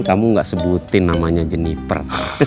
kamu gak sebutin namanya jeniper